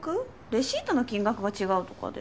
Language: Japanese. レシートの金額が違うとかで。